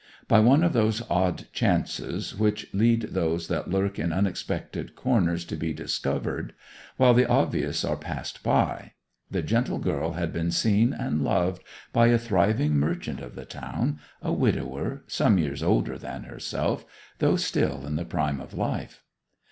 By one of those odd chances which lead those that lurk in unexpected corners to be discovered, while the obvious are passed by, the gentle girl had been seen and loved by a thriving merchant of the town, a widower, some years older than herself, though still in the prime of life.